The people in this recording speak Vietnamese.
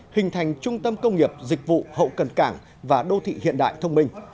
hình thành trung tâm công nghiệp dịch vụ hậu cần cảng và đô thị hiện đại thông minh